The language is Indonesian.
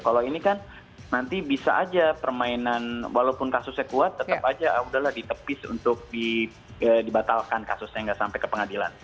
kalau ini kan nanti bisa aja permainan walaupun kasusnya kuat tetap aja udahlah ditepis untuk dibatalkan kasusnya nggak sampai ke pengadilan